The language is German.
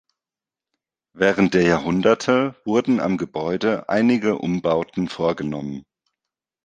Während der Jahrhunderte wurden am Gebäude einige Umbauten vorgenommen.